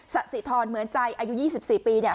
สะสิทรเหมือนใจอายุ๒๔ปีเนี่ย